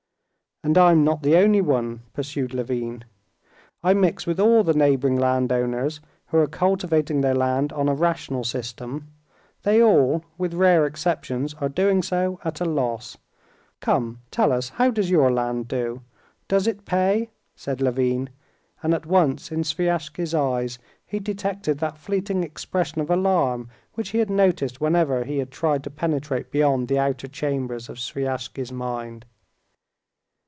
"And I'm not the only one," pursued Levin. "I mix with all the neighboring landowners, who are cultivating their land on a rational system; they all, with rare exceptions, are doing so at a loss. Come, tell us how does your land do—does it pay?" said Levin, and at once in Sviazhsky's eyes he detected that fleeting expression of alarm which he had noticed whenever he had tried to penetrate beyond the outer chambers of Sviazhsky's mind.